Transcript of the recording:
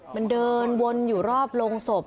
มันเดินวนอยู่รอบโรงศพ